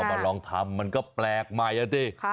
ออกมาลองทำมันก็แปลกใหม่ข้า